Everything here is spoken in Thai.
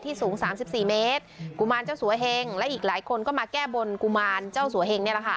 สูงสามสิบสี่เมตรกุมารเจ้าสัวเฮงและอีกหลายคนก็มาแก้บนกุมารเจ้าสัวเฮงนี่แหละค่ะ